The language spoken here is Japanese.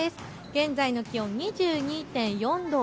現在の気温、２２．４度。